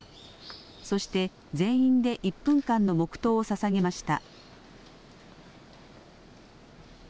そして、全員で１分間の黙とうをささげました。